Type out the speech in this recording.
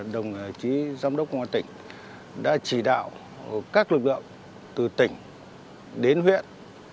đồng chí giám đốc công an tỉnh đã chỉ đạo các lực lượng từ tỉnh đến huyện